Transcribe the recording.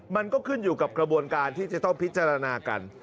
มันก็ขึ้นอยู่กับกระบวนการที่จะต้องพิจารณากัน